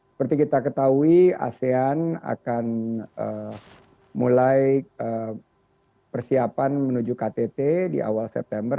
seperti kita ketahui asean akan mulai persiapan menuju ktt di awal september